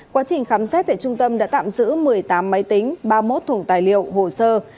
quá trình khám xét tại trung tâm đã tạm giữ một mươi tám máy tính ba mươi một thùng tài liệu hồ sơ